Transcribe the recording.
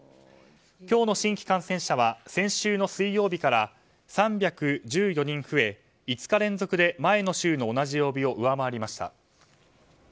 今日の新規感染者は先週の水曜日から３１４人増え５日連続で前の週の同じ曜日を上回りました。